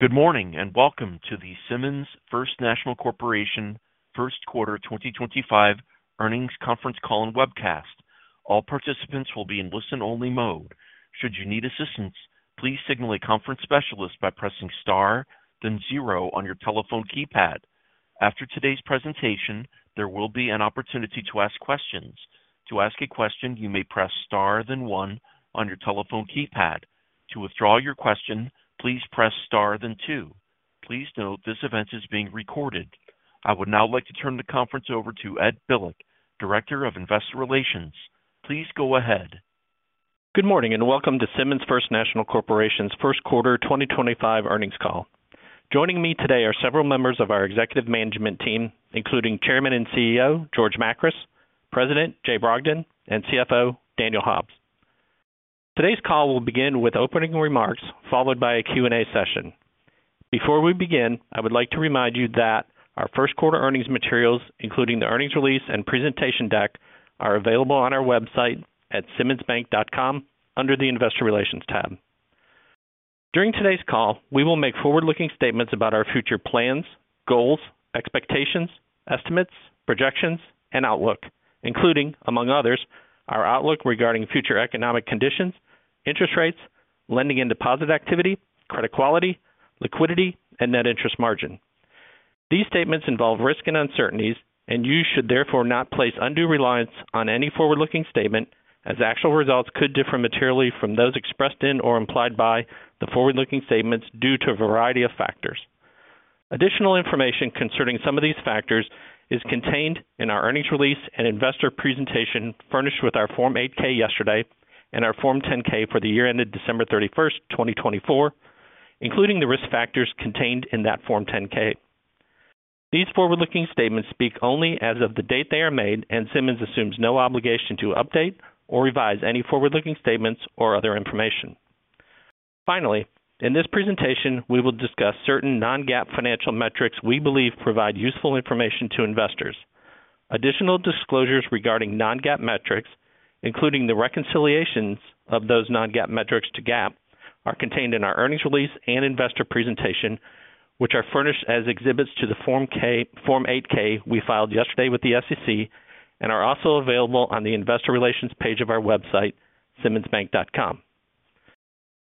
Good morning and welcome to the Simmons First National Corporation First Quarter 2025 Earnings Conference Call and Webcast. All participants will be in listen-only mode. Should you need assistance, please signal a conference specialist by pressing star, then zero on your telephone keypad. After today's presentation, there will be an opportunity to ask questions. To ask a question, you may press star, then one on your telephone keypad. To withdraw your question, please press star, then two. Please note this event is being recorded. I would now like to turn the conference over to Ed Bilek, Director of Investor Relations. Please go ahead. Good morning and welcome to Simmons First National Corporation's First Quarter 2025 Earnings Call. Joining me today are several members of our executive management team, including Chairman and CEO George Makris, President Jay Brogdon, and CFO Daniel Hobbs. Today's call will begin with opening remarks followed by a Q&A session. Before we begin, I would like to remind you that our first quarter earnings materials, including the earnings release and presentation deck, are available on our website at simmonsbank.com under the Investor Relations tab. During today's call, we will make forward-looking statements about our future plans, goals, expectations, estimates, projections, and outlook, including, among others, our outlook regarding future economic conditions, interest rates, lending and deposit activity, credit quality, liquidity, and net interest margin. These statements involve risk and uncertainties, and you should therefore not place undue reliance on any forward-looking statement, as actual results could differ materially from those expressed in or implied by the forward-looking statements due to a variety of factors. Additional information concerning some of these factors is contained in our earnings release and investor presentation furnished with our Form 8-K yesterday and our Form 10-K for the year ended December 31, 2024, including the risk factors contained in that Form 10-K. These forward-looking statements speak only as of the date they are made, and Simmons assumes no obligation to update or revise any forward-looking statements or other information. Finally, in this presentation, we will discuss certain non-GAAP financial metrics we believe provide useful information to investors. Additional disclosures regarding non-GAAP metrics, including the reconciliations of those non-GAAP metrics to GAAP, are contained in our earnings release and investor presentation, which are furnished as exhibits to the Form 8-K we filed yesterday with the SEC and are also available on the Investor Relations page of our website, simmonsbank.com.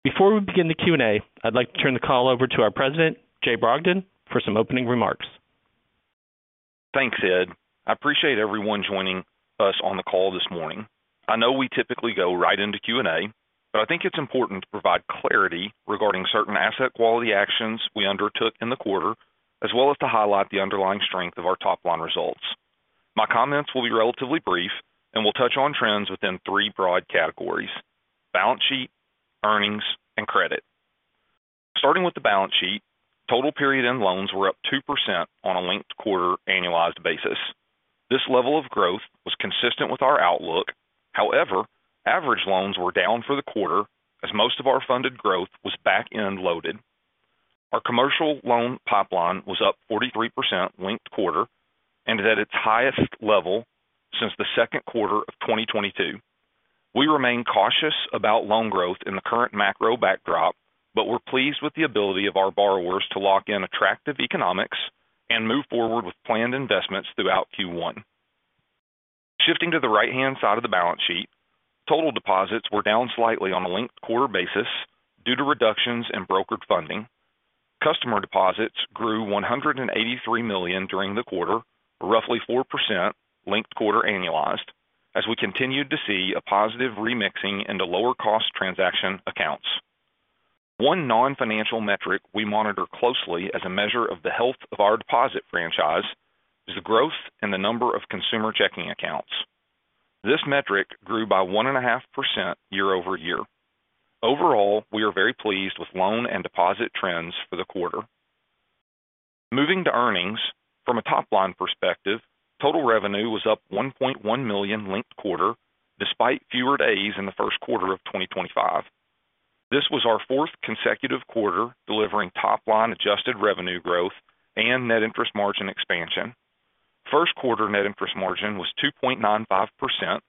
Before we begin the Q&A, I'd like to turn the call over to our President, Jay Brogdon, for some opening remarks. Thanks, Ed. I appreciate everyone joining us on the call this morning. I know we typically go right into Q&A, but I think it's important to provide clarity regarding certain asset quality actions we undertook in the quarter, as well as to highlight the underlying strength of our top-line results. My comments will be relatively brief and will touch on trends within three broad categories: balance sheet, earnings, and credit. Starting with the balance sheet, total period-end loans were up 2% on a linked quarter annualized basis. This level of growth was consistent with our outlook. However, average loans were down for the quarter, as most of our funded growth was back-end loaded. Our commercial loan pipeline was up 43% linked quarter and at its highest level since the second quarter of 2022. We remain cautious about loan growth in the current macro backdrop, but we're pleased with the ability of our borrowers to lock in attractive economics and move forward with planned investments throughout Q1. Shifting to the right-hand side of the balance sheet, total deposits were down slightly on a linked quarter basis due to reductions in brokered funding. Customer deposits grew $183 million during the quarter, roughly 4% linked quarter annualized, as we continued to see a positive remixing into lower-cost transaction accounts. One non-financial metric we monitor closely as a measure of the health of our deposit franchise is the growth in the number of consumer checking accounts. This metric grew by 1.5% year-over-year. Overall, we are very pleased with loan and deposit trends for the quarter. Moving to earnings, from a top-line perspective, total revenue was up $1.1 million linked quarter, despite fewer days in the first quarter of 2025. This was our fourth consecutive quarter delivering top-line adjusted revenue growth and net interest margin expansion. First quarter net interest margin was 2.95%,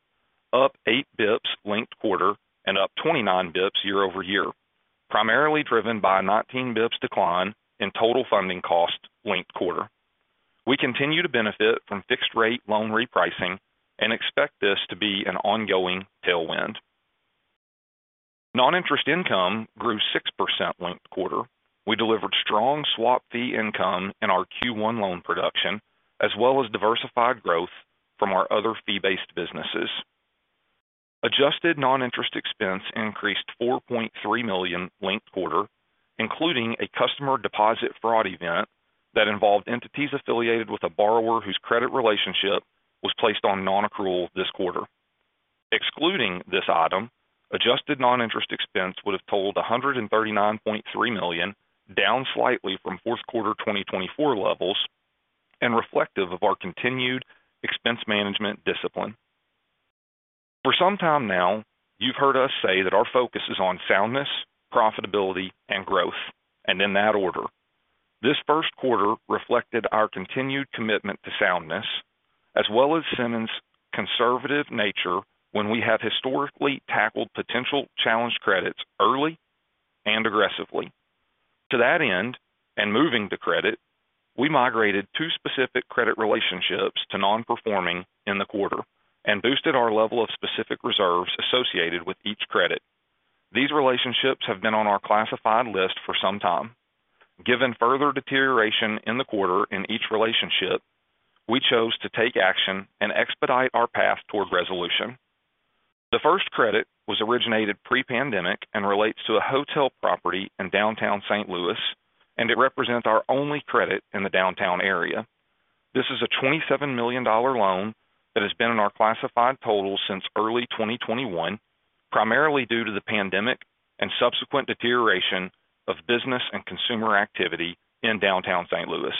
up 8 basis points linked quarter and up 29 basis points year-over-year, primarily driven by a 19 basis points decline in total funding cost linked quarter. We continue to benefit from fixed-rate loan repricing and expect this to be an ongoing tailwind. Non-interest income grew 6% linked quarter. We delivered strong swap fee income in our Q1 loan production, as well as diversified growth from our other fee-based businesses. Adjusted non-interest expense increased $4.3 million linked quarter, including a customer deposit fraud event that involved entities affiliated with a borrower whose credit relationship was placed on non-accrual this quarter. Excluding this item, adjusted non-interest expense would have totaled $139.3 million, down slightly from fourth quarter 2024 levels and reflective of our continued expense management discipline. For some time now, you've heard us say that our focus is on soundness, profitability, and growth, and in that order. This first quarter reflected our continued commitment to soundness, as well as Simmons' conservative nature when we have historically tackled potential challenge credits early and aggressively. To that end, and moving to credit, we migrated two specific credit relationships to non-performing in the quarter and boosted our level of specific reserves associated with each credit. These relationships have been on our classified list for some time. Given further deterioration in the quarter in each relationship, we chose to take action and expedite our path toward resolution. The first credit was originated pre-pandemic and relates to a hotel property in downtown St. Louis and it represents our only credit in the downtown area. This is a $27 million loan that has been in our classified total since early 2021, primarily due to the pandemic and subsequent deterioration of business and consumer activity in downtown St. Louis.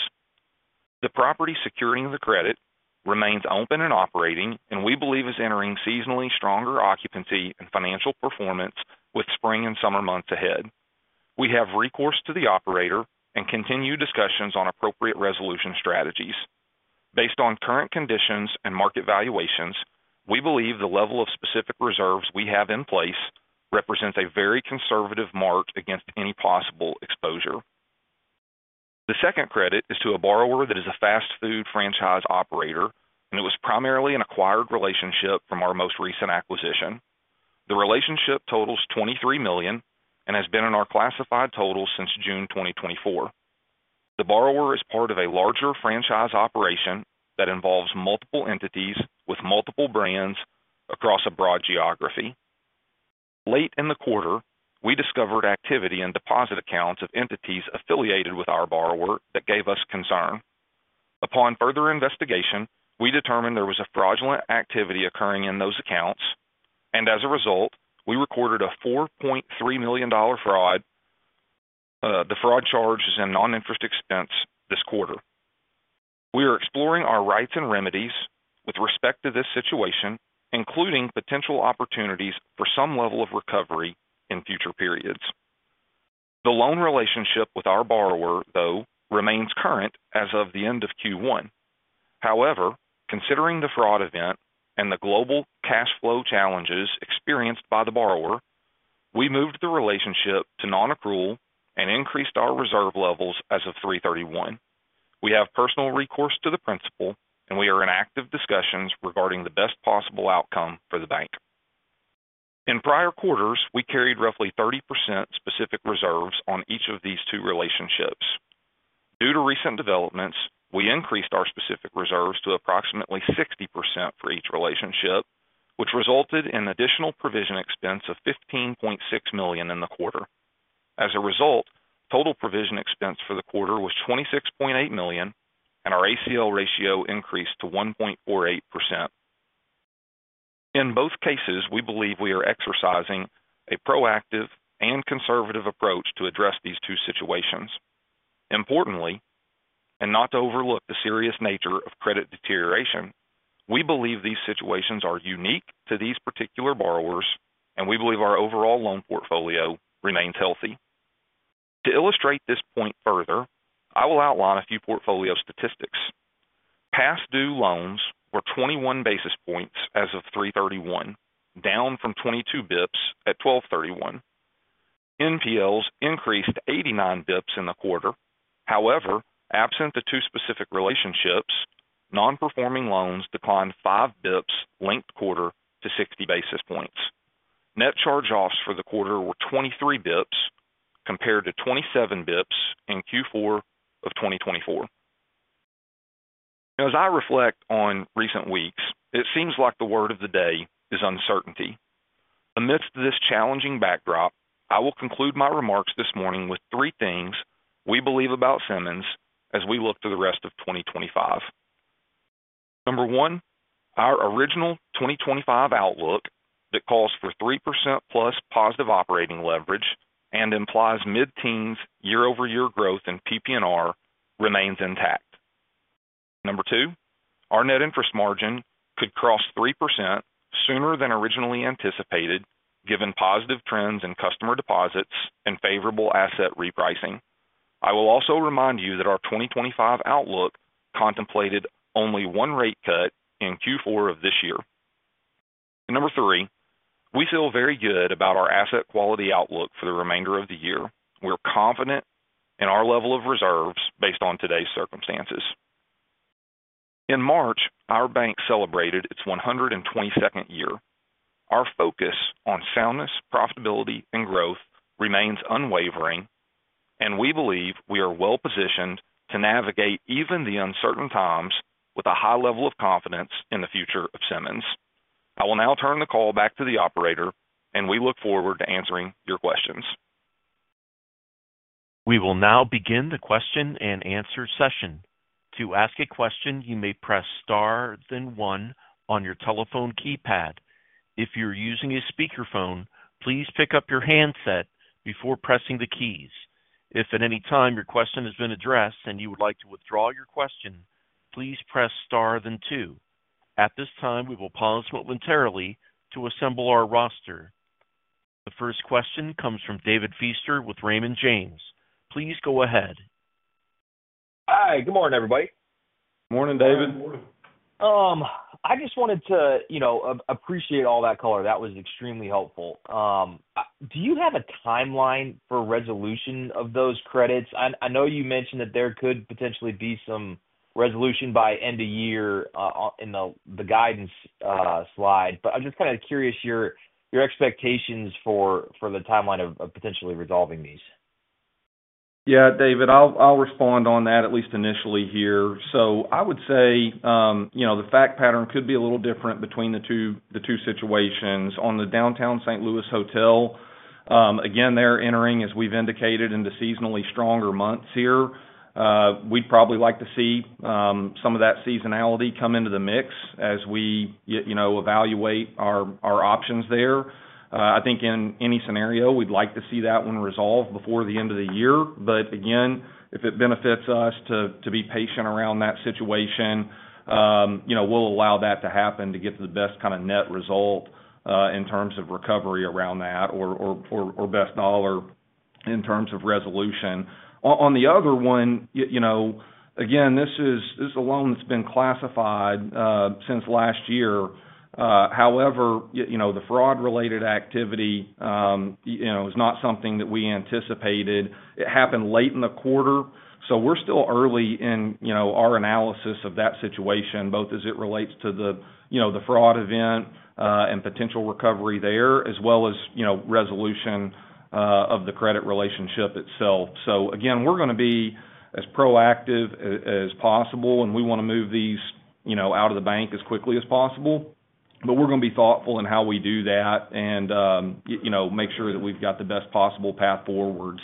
The property securing the credit remains open and operating, and we believe is entering seasonally stronger occupancy and financial performance with spring and summer months ahead. We have recourse to the operator and continue discussions on appropriate resolution strategies. Based on current conditions and market valuations, we believe the level of specific reserves we have in place represents a very conservative mark against any possible exposure. The second credit is to a borrower that is a fast food franchise operator, and it was primarily an acquired relationship from our most recent acquisition. The relationship totals $23 million and has been in our classified total since June 2024. The borrower is part of a larger franchise operation that involves multiple entities with multiple brands across a broad geography. Late in the quarter, we discovered activity in deposit accounts of entities affiliated with our borrower that gave us concern. Upon further investigation, we determined there was fraudulent activity occurring in those accounts, and as a result, we recorded a $4.3 million fraud charge in non-interest expense this quarter. We are exploring our rights and remedies with respect to this situation, including potential opportunities for some level of recovery in future periods. The loan relationship with our borrower, though, remains current as of the end of Q1. However, considering the fraud event and the global cash flow challenges experienced by the borrower, we moved the relationship to non-accrual and increased our reserve levels as of March 31. We have personal recourse to the principal, and we are in active discussions regarding the best possible outcome for the bank. In prior quarters, we carried roughly 30% specific reserves on each of these two relationships. Due to recent developments, we increased our specific reserves to approximately 60% for each relationship, which resulted in additional provision expense of $15.6 million in the quarter. As a result, total provision expense for the quarter was $26.8 million, and our ACL ratio increased to 1.48%. In both cases, we believe we are exercising a proactive and conservative approach to address these two situations. Importantly, and not to overlook the serious nature of credit deterioration, we believe these situations are unique to these particular borrowers, and we believe our overall loan portfolio remains healthy. To illustrate this point further, I will outline a few portfolio statistics. Past due loans were 21 basis points as of March 31, down from 22 basis points at December 31. NPLs increased 89 basis points in the quarter. However, absent the two specific relationships, non-performing loans declined 5 basis points linked quarter to 60 basis points. Net charge-offs for the quarter were 23 basis points compared to 27 basis points in Q4 of 2024. As I reflect on recent weeks, it seems like the word of the day is uncertainty. Amidst this challenging backdrop, I will conclude my remarks this morning with three things we believe about Simmons as we look to the rest of 2025. Number one, our original 2025 outlook that calls for 3%+ positive operating leverage and implies mid-teens year-over-year growth in PP&R remains intact. Number two, our net interest margin could cross 3% sooner than originally anticipated, given positive trends in customer deposits and favorable asset repricing. I will also remind you that our 2025 outlook contemplated only one rate cut in Q4 of this year. Number three, we feel very good about our asset quality outlook for the remainder of the year. We're confident in our level of reserves based on today's circumstances. In March, our bank celebrated its 122nd year. Our focus on soundness, profitability, and growth remains unwavering, and we believe we are well-positioned to navigate even the uncertain times with a high level of confidence in the future of Simmons. I will now turn the call back to the operator, and we look forward to answering your questions. We will now begin the question and answer session. To ask a question, you may press star then one on your telephone keypad. If you're using a speakerphone, please pick up your handset before pressing the keys. If at any time your question has been addressed and you would like to withdraw your question, please press star then two. At this time, we will pause momentarily to assemble our roster. The first question comes from David Feaster with Raymond James. Please go ahead. Hi, good morning, everybody. Morning, David. I just wanted to appreciate all that color. That was extremely helpful. Do you have a timeline for resolution of those credits? I know you mentioned that there could potentially be some resolution by end of year in the guidance slide, but I am just kind of curious your expectations for the timeline of potentially resolving these. Yeah, David, I'll respond on that at least initially here. I would say the fact pattern could be a little different between the two situations. On the downtown St. Louis hotel, again, they're entering, as we've indicated, into seasonally stronger months here. We'd probably like to see some of that seasonality come into the mix as we evaluate our options there. I think in any scenario, we'd like to see that one resolve before the end of the year. If it benefits us to be patient around that situation, we'll allow that to happen to get the best kind of net result in terms of recovery around that or best dollar in terms of resolution. On the other one, this is a loan that's been classified since last year. However, the fraud-related activity is not something that we anticipated. It happened late in the quarter, so we're still early in our analysis of that situation, both as it relates to the fraud event and potential recovery there, as well as resolution of the credit relationship itself. We're going to be as proactive as possible, and we want to move these out of the bank as quickly as possible. We're going to be thoughtful in how we do that and make sure that we've got the best possible path forward.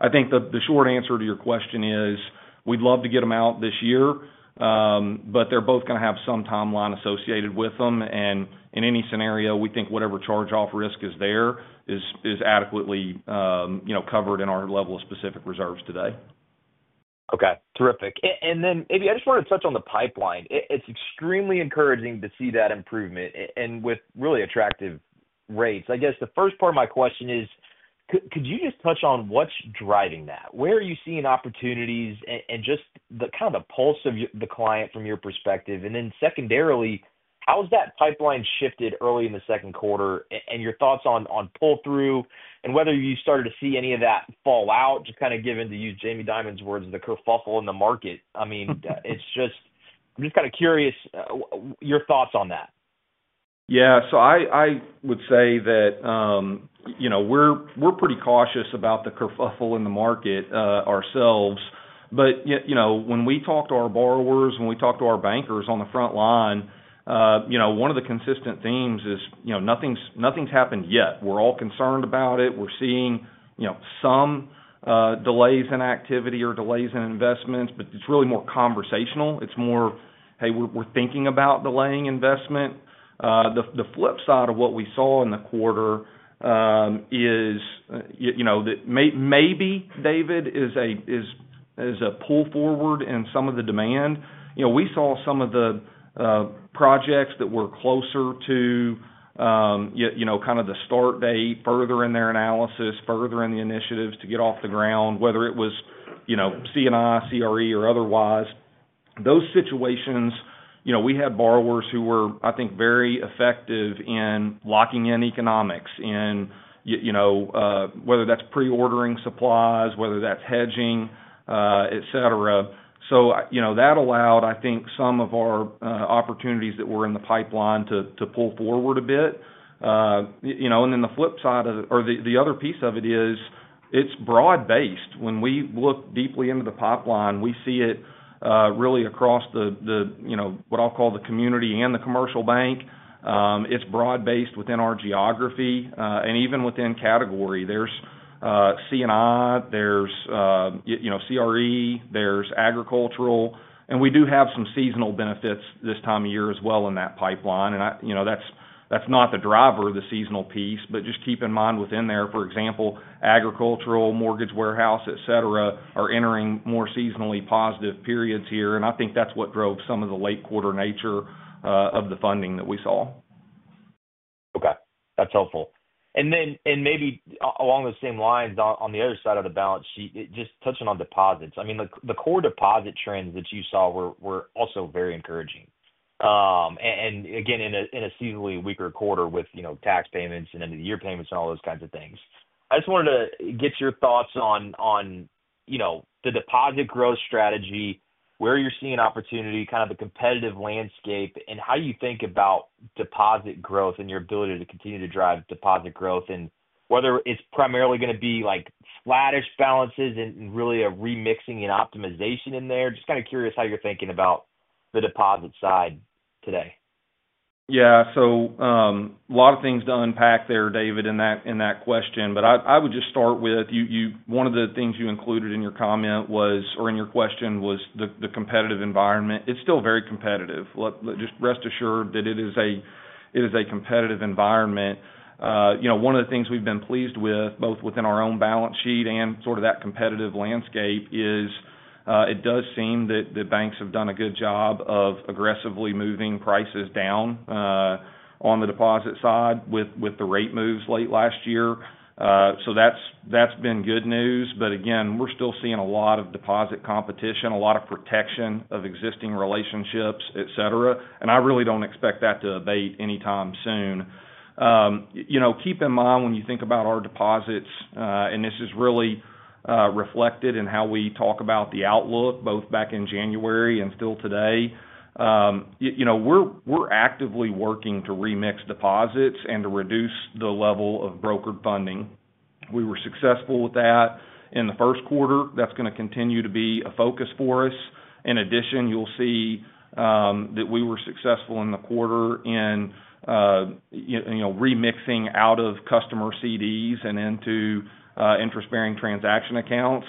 I think the short answer to your question is we'd love to get them out this year, but they're both going to have some timeline associated with them. In any scenario, we think whatever charge-off risk is there is adequately covered in our level of specific reserves today. Okay. Terrific. Maybe I just want to touch on the pipeline. It's extremely encouraging to see that improvement and with really attractive rates. I guess the first part of my question is, could you just touch on what's driving that? Where are you seeing opportunities and just the kind of pulse of the client from your perspective? Secondarily, how has that pipeline shifted early in the second quarter and your thoughts on pull-through and whether you started to see any of that fall out, just kind of given, to use Jamie Dimon's words, the kerfuffle in the market? I mean, I'm just kind of curious your thoughts on that. Yeah. I would say that we're pretty cautious about the kerfuffle in the market ourselves. When we talk to our borrowers, when we talk to our bankers on the front line, one of the consistent themes is nothing's happened yet. We're all concerned about it. We're seeing some delays in activity or delays in investments, but it's really more conversational. It's more, hey, we're thinking about delaying investment. The flip side of what we saw in the quarter is that maybe, David, it is a pull forward in some of the demand. We saw some of the projects that were closer to kind of the start date further in their analysis, further in the initiatives to get off the ground, whether it was C&I, CRE, or otherwise. Those situations, we had borrowers who were, I think, very effective in locking in economics, whether that's pre-ordering supplies, whether that's hedging, etc. That allowed, I think, some of our opportunities that were in the pipeline to pull forward a bit. The flip side of it, or the other piece of it, is it's broad-based. When we look deeply into the pipeline, we see it really across the, what I'll call, the community and the commercial bank. It's broad-based within our geography. Even within category, there's C&I, there's CRE, there's agricultural. We do have some seasonal benefits this time of year as well in that pipeline. That's not the driver of the seasonal piece, but just keep in mind within there, for example, agricultural, mortgage warehouse, etc., are entering more seasonally positive periods here. I think that's what drove some of the late quarter nature of the funding that we saw. Okay. That's helpful. Maybe along the same lines on the other side of the balance sheet, just touching on deposits. I mean, the core deposit trends that you saw were also very encouraging. Again, in a seasonally weaker quarter with tax payments and end-of-the-year payments and all those kinds of things. I just wanted to get your thoughts on the deposit growth strategy, where you're seeing opportunity, kind of the competitive landscape, and how you think about deposit growth and your ability to continue to drive deposit growth, and whether it's primarily going to be like flattish balances and really a remixing and optimization in there. Just kind of curious how you're thinking about the deposit side today. Yeah. A lot of things to unpack there, David, in that question. I would just start with one of the things you included in your comment was, or in your question was the competitive environment. It's still very competitive. Just rest assured that it is a competitive environment. One of the things we've been pleased with, both within our own balance sheet and sort of that competitive landscape, is it does seem that the banks have done a good job of aggressively moving prices down on the deposit side with the rate moves late last year. That's been good news. Again, we're still seeing a lot of deposit competition, a lot of protection of existing relationships, etc. I really don't expect that to abate anytime soon. Keep in mind when you think about our deposits, and this is really reflected in how we talk about the outlook both back in January and still today. We're actively working to remix deposits and to reduce the level of brokered funding. We were successful with that in the first quarter. That is going to continue to be a focus for us. In addition, you will see that we were successful in the quarter in remixing out of customer CDs and into interest-bearing transaction accounts.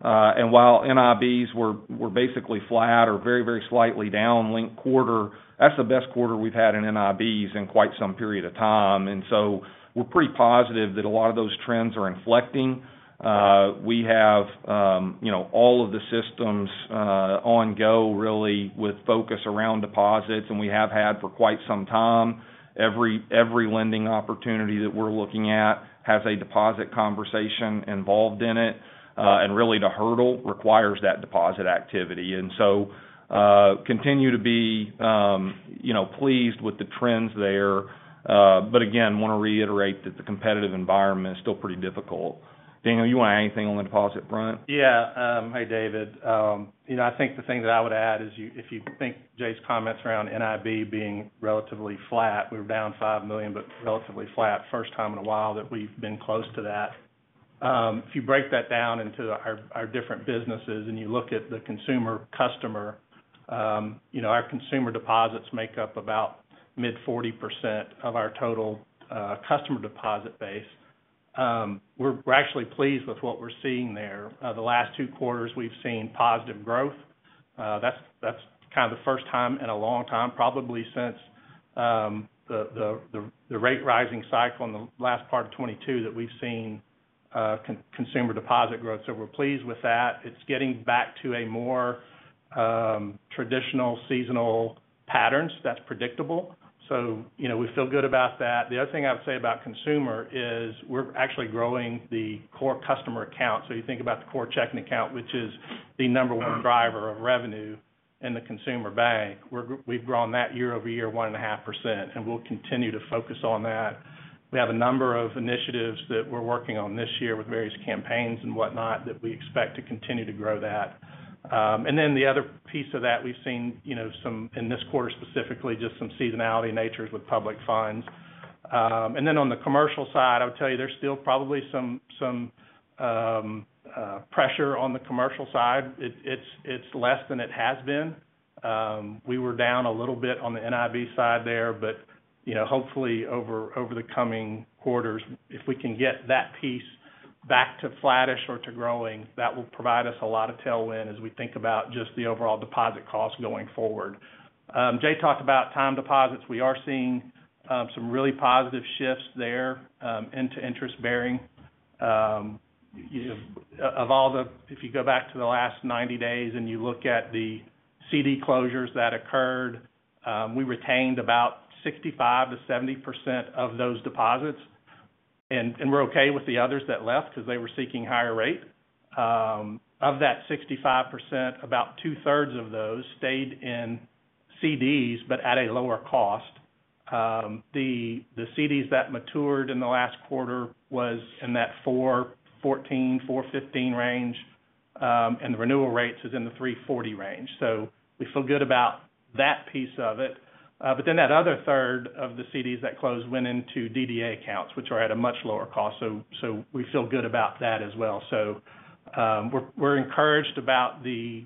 While NIBs were basically flat or very, very slightly down linked quarter, that is the best quarter we have had in NIBs in quite some period of time. We are pretty positive that a lot of those trends are inflecting. We have all of the systems on go really with focus around deposits, and we have had for quite some time. Every lending opportunity that we're looking at has a deposit conversation involved in it. Really, the hurdle requires that deposit activity. I continue to be pleased with the trends there. Again, want to reiterate that the competitive environment is still pretty difficult. Daniel, you want to add anything on the deposit front? Yeah. Hey, David. I think the thing that I would add is if you think Jay's comments around NIB being relatively flat, we were down $5 million, but relatively flat, first time in a while that we've been close to that. If you break that down into our different businesses and you look at the consumer customer, our consumer deposits make up about mid-40% of our total customer deposit base. We're actually pleased with what we're seeing there. The last two quarters, we've seen positive growth. That's kind of the first time in a long time, probably since the rate-rising cycle in the last part of 2022 that we've seen consumer deposit growth. We are pleased with that. It's getting back to a more traditional seasonal patterns. That's predictable. We feel good about that. The other thing I would say about consumer is we're actually growing the core customer account. You think about the core checking account, which is the number one driver of revenue in the consumer bank. We've grown that year-over-year 1.5%, and we'll continue to focus on that. We have a number of initiatives that we're working on this year with various campaigns and what not that we expect to continue to grow that. The other piece of that, we've seen in this quarter specifically, just some seasonality natures with public funds. On the commercial side, I would tell you there's still probably some pressure on the commercial side. It's less than it has been. We were down a little bit on the NIB side there, but hopefully over the coming quarters, if we can get that piece back to flattish or to growing, that will provide us a lot of tailwind as we think about just the overall deposit costs going forward. Jay talked about time deposits. We are seeing some really positive shifts there into interest-bearing. If you go back to the last 90 days and you look at the CD closures that occurred, we retained about 65%-70% of those deposits. We are okay with the others that left because they were seeking higher rate. Of that 65%, about two-thirds of those stayed in CDs, but at a lower cost. The CDs that matured in the last quarter were in that 414-415 range. The renewal rates are in the 340 range. We feel good about that piece of it. That other third of the CDs that closed went into DDA accounts, which are at a much lower cost. We feel good about that as well. We are encouraged about the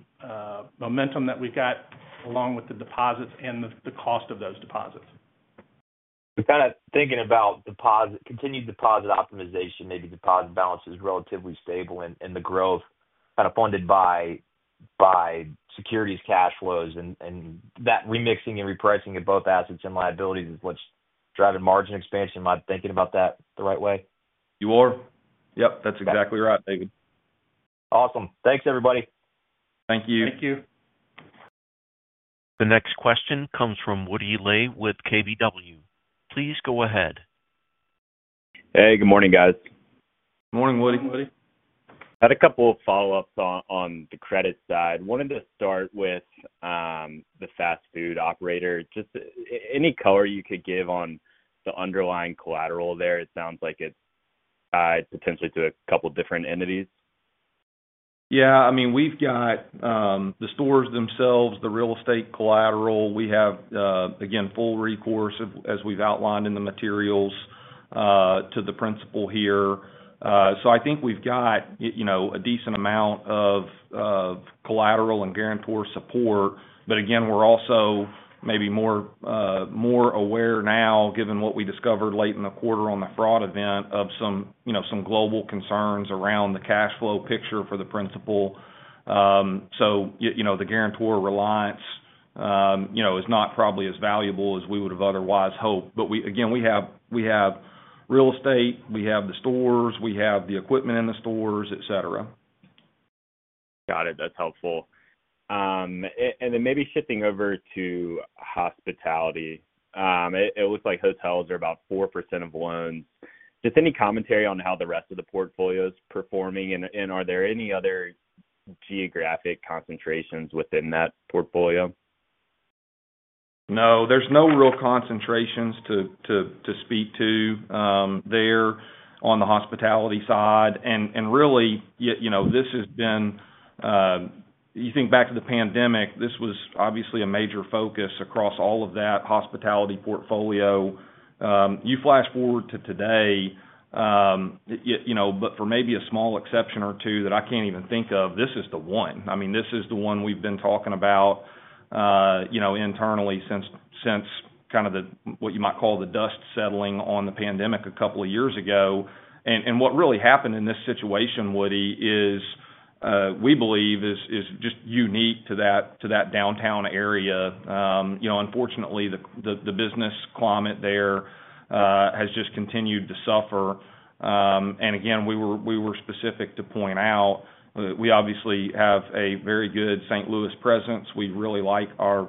momentum that we have got along with the deposits and the cost of those deposits. We are kind of thinking about continued deposit optimization, maybe deposit balances relatively stable and the growth kind of funded by securities cash flows. That remixing and repricing of both assets and liabilities is what is driving margin expansion. Am I thinking about that the right way? You are. Yep. That's exactly right, David. Awesome. Thanks, everybody. Thank you. Thank you. The next question comes from Woody Lay with KBW. Please go ahead. Hey, good morning, guys. Good morning, Woody. Had a couple of follow-ups on the credit side. Wanted to start with the fast food operator. Just any color you could give on the underlying collateral there. It sounds like it's tied potentially to a couple of different entities. Yeah. I mean, we've got the stores themselves, the real estate collateral. We have, again, full recourse as we've outlined in the materials to the principal here. I think we've got a decent amount of collateral and guarantor support. Again, we're also maybe more aware now, given what we discovered late in the quarter on the fraud event, of some global concerns around the cash flow picture for the principal. The guarantor reliance is not probably as valuable as we would have otherwise hoped. Again, we have real estate. We have the stores. We have the equipment in the stores, etc. Got it. That's helpful. Maybe shifting over to hospitality. It looks like hotels are about 4% of loans. Just any commentary on how the rest of the portfolio is performing? Are there any other geographic concentrations within that portfolio? No. There's no real concentrations to speak to there on the hospitality side. Really, this has been, you think back to the pandemic, this was obviously a major focus across all of that hospitality portfolio. You flash forward to today, but for maybe a small exception or two that I can't even think of, this is the one. I mean, this is the one we've been talking about internally since kind of what you might call the dust settling on the pandemic a couple of years ago. What really happened in this situation, Woody, is we believe is just unique to that downtown area. Unfortunately, the business climate there has just continued to suffer. Again, we were specific to point out we obviously have a very good St. Louis presence. We really like our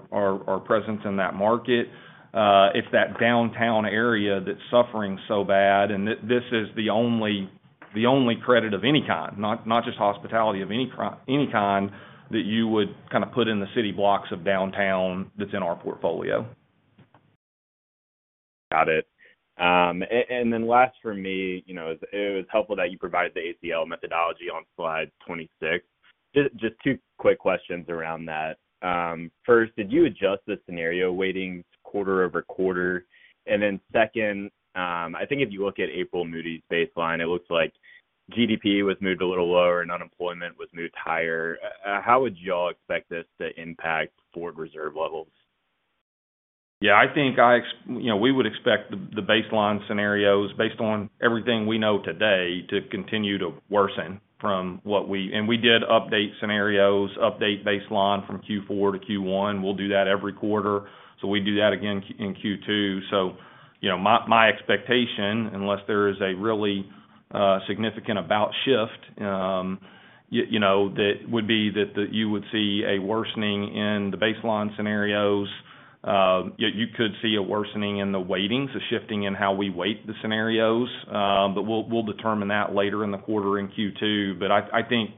presence in that market. It's that downtown area that's suffering so bad. This is the only credit of any kind, not just hospitality of any kind, that you would kind of put in the city blocks of downtown that's in our portfolio. Got it. Last for me, it was helpful that you provided the ACL methodology on slide 26. Just two quick questions around that. First, did you adjust the scenario weighting quarter over quarter? Second, I think if you look at April Moody's baseline, it looks like GDP was moved a little lower and unemployment was moved higher. How would y'all expect this to impact forward reserve levels? Yeah. I think we would expect the baseline scenarios, based on everything we know today, to continue to worsen from what we, and we did update scenarios, update baseline from Q4 to Q1. We'll do that every quarter. We will do that again in Q2. My expectation, unless there is a really significant about shift, would be that you would see a worsening in the baseline scenarios. You could see a worsening in the weightings, a shifting in how we weight the scenarios. We will determine that later in the quarter in Q2. I think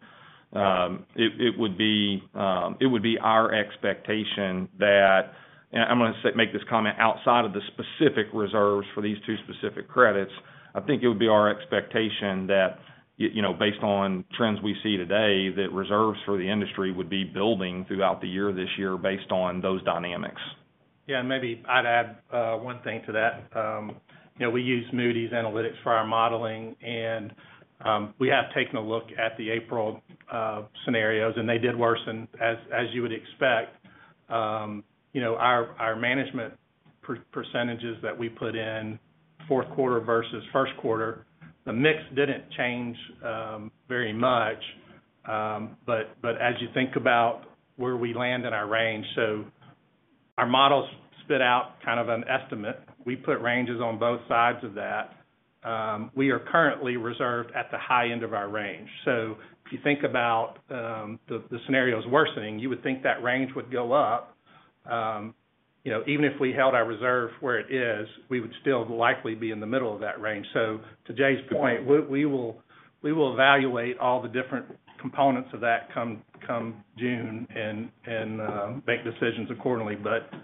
it would be our expectation that I'm going to make this comment outside of the specific reserves for these two specific credits. I think it would be our expectation that, based on trends we see today, that reserves for the industry would be building throughout the year this year based on those dynamics. Yeah. Maybe I'd add one thing to that. We use Moody's Analytics for our modeling. We have taken a look at the April scenarios, and they did worsen, as you would expect. Our management percentages that we put in fourth quarter versus first quarter, the mix did not change very much. As you think about where we land in our range, our models spit out kind of an estimate. We put ranges on both sides of that. We are currently reserved at the high end of our range. If you think about the scenarios worsening, you would think that range would go up. Even if we held our reserve where it is, we would still likely be in the middle of that range. To Jay's point, we will evaluate all the different components of that come June and make decisions accordingly.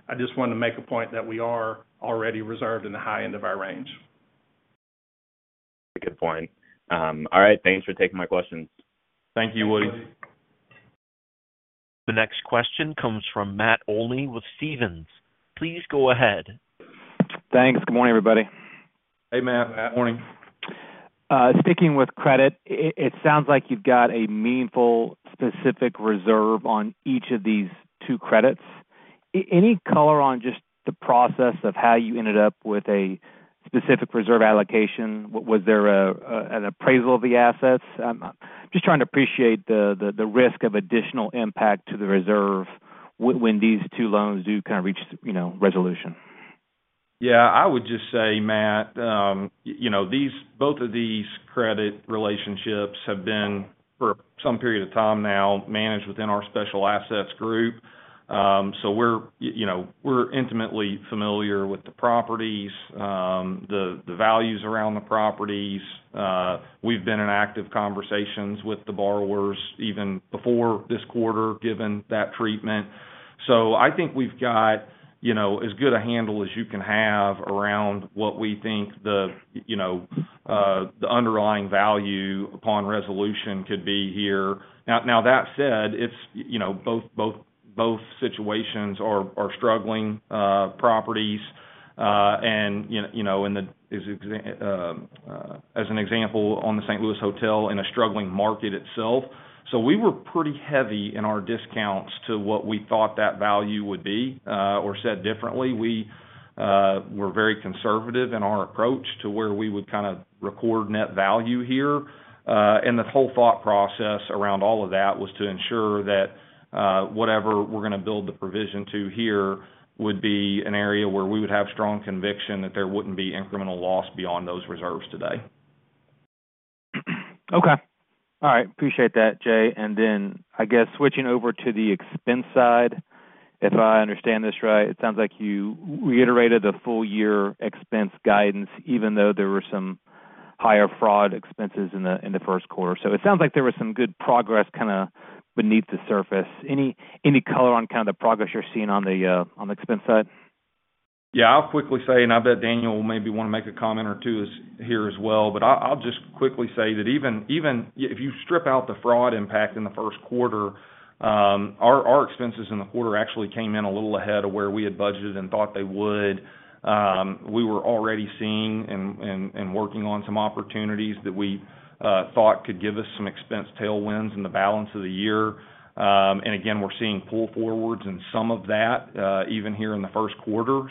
I just wanted to make a point that we are already reserved in the high end of our range. That's a good point. All right. Thanks for taking my questions. Thank you, Woody. The next question comes from Matt Olney with Stephens. Please go ahead. Thanks. Good morning, everybody. Hey, Matt. Good morning. Speaking with credit, it sounds like you've got a meaningful specific reserve on each of these two credits. Any color on just the process of how you ended up with a specific reserve allocation? Was there an appraisal of the assets? I'm just trying to appreciate the risk of additional impact to the reserve when these two loans do kind of reach resolution. Yeah. I would just say, Matt, both of these credit relationships have been, for some period of time now, managed within our special assets group. So we're intimately familiar with the properties, the values around the properties. We've been in active conversations with the borrowers even before this quarter, given that treatment. I think we've got as good a handle as you can have around what we think the underlying value upon resolution could be here. Now, that said, both situations are struggling properties. As an example, on the St. Louis Hotel in a struggling market itself. We were pretty heavy in our discounts to what we thought that value would be. Or said differently, we were very conservative in our approach to where we would kind of record net value here. The whole thought process around all of that was to ensure that whatever we're going to build the provision to here would be an area where we would have strong conviction that there wouldn't be incremental loss beyond those reserves today. Okay. All right. Appreciate that, Jay. I guess switching over to the expense side, if I understand this right, it sounds like you reiterated the full-year expense guidance, even though there were some higher fraud expenses in the first quarter. It sounds like there was some good progress kind of beneath the surface. Any color on kind of the progress you're seeing on the expense side? Yeah. I'll quickly say, and I bet Daniel will maybe want to make a comment or two here as well. I'll just quickly say that even if you strip out the fraud impact in the first quarter, our expenses in the quarter actually came in a little ahead of where we had budgeted and thought they would. We were already seeing and working on some opportunities that we thought could give us some expense tailwinds in the balance of the year. We're seeing pull forwards in some of that, even here in the first quarter.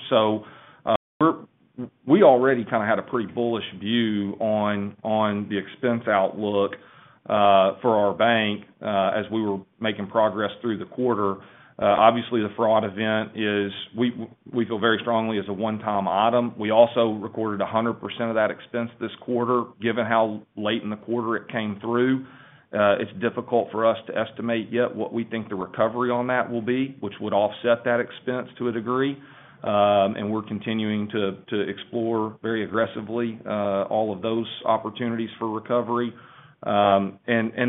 We already kind of had a pretty bullish view on the expense outlook for our bank as we were making progress through the quarter. Obviously, the fraud event is, we feel very strongly, a one-time item. We also recorded 100% of that expense this quarter. Given how late in the quarter it came through, it's difficult for us to estimate yet what we think the recovery on that will be, which would offset that expense to a degree. We are continuing to explore very aggressively all of those opportunities for recovery. I think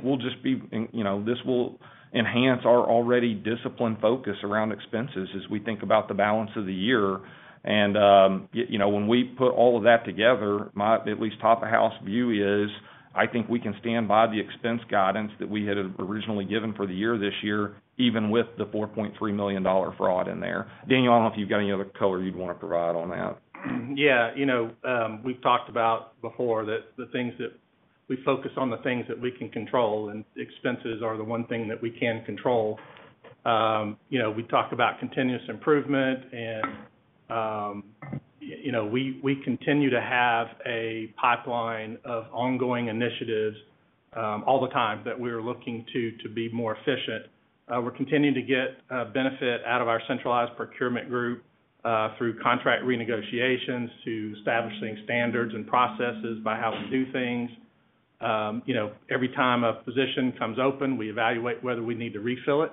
this will enhance our already disciplined focus around expenses as we think about the balance of the year. When we put all of that together, my at least top-of-house view is I think we can stand by the expense guidance that we had originally given for the year this year, even with the $4.3 million fraud in there. Daniel, I don't know if you've got any other color you'd want to provide on that. Yeah. We've talked about before that the things that we focus on, the things that we can control, and expenses are the one thing that we can control. We talk about continuous improvement. We continue to have a pipeline of ongoing initiatives all the time that we are looking to be more efficient. We're continuing to get benefit out of our centralized procurement group through contract renegotiations to establishing standards and processes by how we do things. Every time a position comes open, we evaluate whether we need to refill it.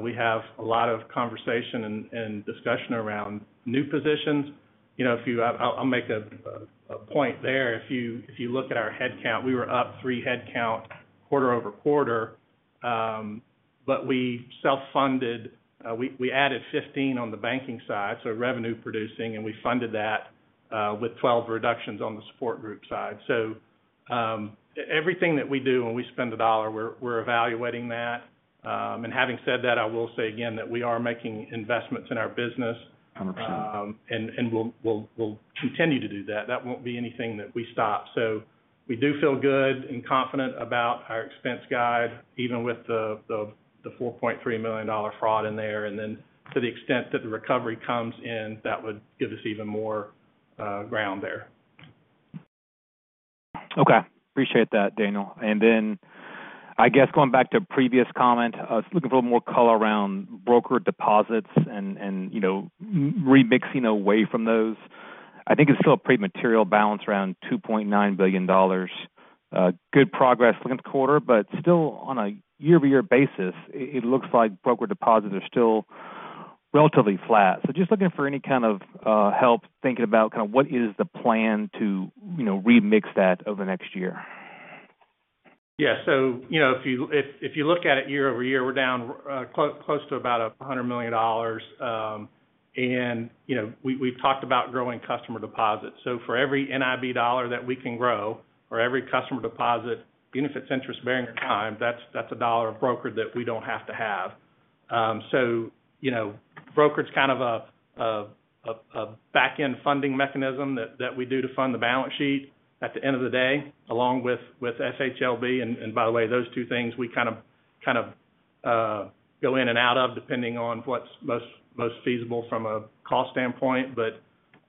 We have a lot of conversation and discussion around new positions. I'll make a point there. If you look at our headcount, we were up three headcount quarter over quarter. We self-funded. We added 15 on the banking side, so revenue-producing. We funded that with 12 reductions on the support group side. Everything that we do when we spend a dollar, we're evaluating that. Having said that, I will say again that we are making investments in our business. 100%. We will continue to do that. That will not be anything that we stop. We do feel good and confident about our expense guide, even with the $4.3 million fraud in there. To the extent that the recovery comes in, that would give us even more ground there. Okay. Appreciate that, Daniel. I guess going back to a previous comment, I was looking for a little more color around broker deposits and remixing away from those. I think it is still a pretty material balance, around $2.9 billion. Good progress looking at the quarter. Still, on a year-over-year basis, it looks like broker deposits are still relatively flat. I am just looking for any kind of help thinking about what is the plan to remix that over the next year. Yeah. If you look at it year-over-year, we're down close to about $100 million. We've talked about growing customer deposits. For every NIB dollar that we can grow, or every customer deposit, even if it's interest-bearing or time, that's a dollar of broker that we don't have to have. Broker is kind of a back-end funding mechanism that we do to fund the balance sheet at the end of the day, along with FHLB. By the way, those two things, we kind of go in and out of depending on what's most feasible from a cost standpoint.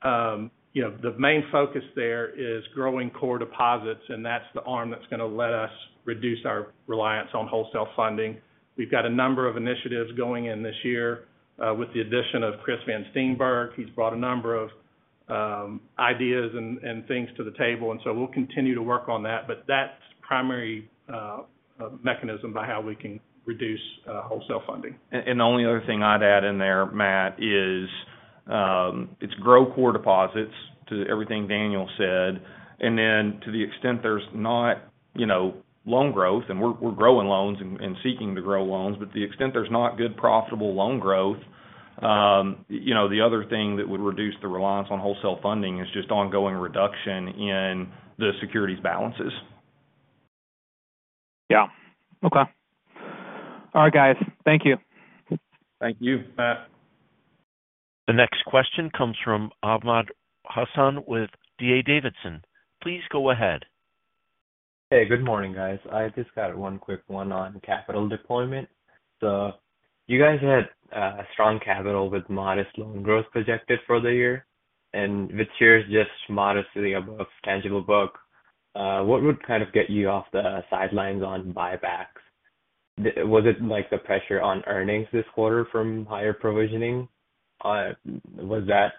The main focus there is growing core deposits. That's the arm that's going to let us reduce our reliance on wholesale funding. We've got a number of initiatives going in this year with the addition of Chris Van Steenberg. He's brought a number of ideas and things to the table. We will continue to work on that. That is the primary mechanism by how we can reduce wholesale funding. The only other thing I'd add in there, Matt, is it's grow core deposits to everything Daniel said. To the extent there's not loan growth, and we're growing loans and seeking to grow loans, but to the extent there's not good profitable loan growth, the other thing that would reduce the reliance on wholesale funding is just ongoing reduction in the securities balances. Yeah. Okay. All right, guys. Thank you. Thank you, Matt. The next question comes from Ahmad Hasan with DA Davidson. Please go ahead. Hey, good morning, guys. I just got one quick one on capital deployment. You guys had strong capital with modest loan growth projected for the year. This year is just modestly above tangible book. What would kind of get you off the sidelines on buybacks? Was it the pressure on earnings this quarter from higher provisioning? Was that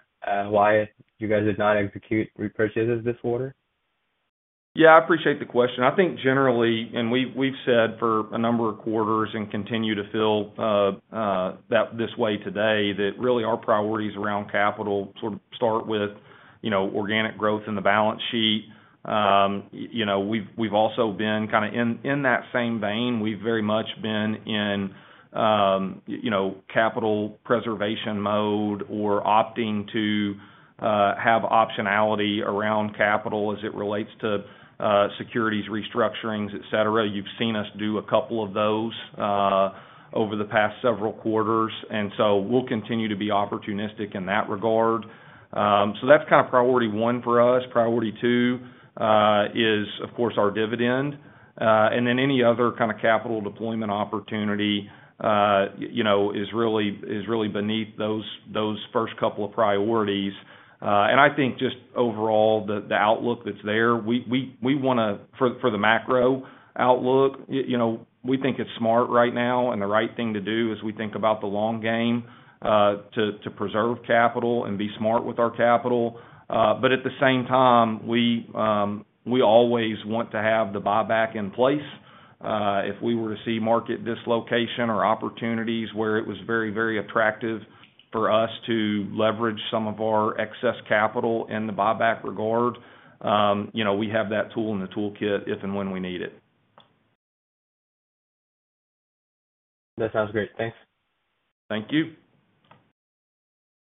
why you guys did not execute repurchases this quarter? Yeah. I appreciate the question. I think generally, and we've said for a number of quarters and continue to feel this way today, that really our priorities around capital sort of start with organic growth in the balance sheet. We've also been kind of in that same vein. We've very much been in capital preservation mode or opting to have optionality around capital as it relates to securities restructurings, etc. You have seen us do a couple of those over the past several quarters. We will continue to be opportunistic in that regard. That is kind of priority one for us. Priority two is, of course, our dividend. Any other kind of capital deployment opportunity is really beneath those first couple of priorities. I think just overall, the outlook that is there, we want to, for the macro outlook, we think it's smart right now. The right thing to do is we think about the long game to preserve capital and be smart with our capital. At the same time, we always want to have the buyback in place. If we were to see market dislocation or opportunities where it was very, very attractive for us to leverage some of our excess capital in the buyback regard, we have that tool in the toolkit if and when we need it. That sounds great. Thanks. Thank you.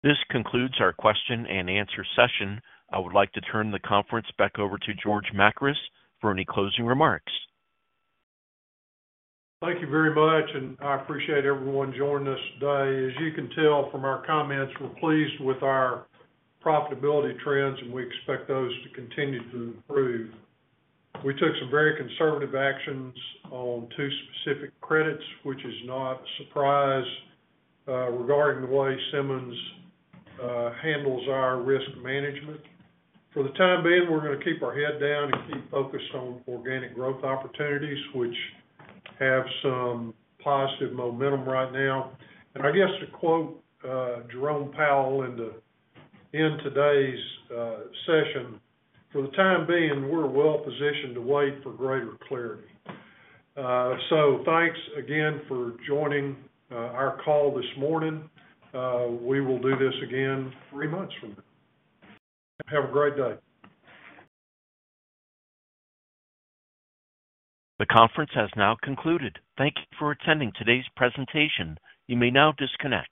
This concludes our question and answer session. I would like to turn the conference back over to George Makris for any closing remarks. Thank you very much. I appreciate everyone joining us today. As you can tell from our comments, we're pleased with our profitability trends, and we expect those to continue to improve. We took some very conservative actions on two specific credits, which is not a surprise regarding the way Simmons handles our risk management. For the time being, we're going to keep our head down and keep focused on organic growth opportunities, which have some positive momentum right now. I guess to quote Jerome Powell in today's session, "For the time being, we're well positioned to wait for greater clarity." Thanks again for joining our call this morning. We will do this again three months from now. Have a great day. The conference has now concluded. Thank you for attending today's presentation. You may now disconnect.